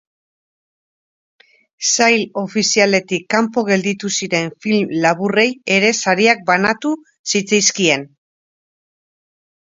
Sail ofizialetik kanpo gelditu ziren film laburrei ere sariak banatu zitzaizkien.